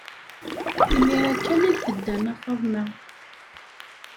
Imir-a kan ay tedda Nna Faḍma.